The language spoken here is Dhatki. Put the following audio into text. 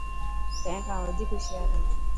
تين کان وڌيڪ هوشيار هان.